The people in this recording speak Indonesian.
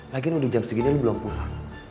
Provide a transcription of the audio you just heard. lagian udah jam segini lo belum pulang